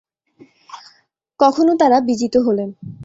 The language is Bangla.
কখনো তারা বিজিত হলেন।